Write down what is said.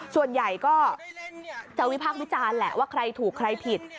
ส่วนใหญ่ก็จะวิพากษ์วิจารณ์แหละว่าใครถูกใครผิด